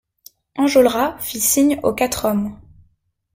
Enjolras fit signe aux quatre hommes.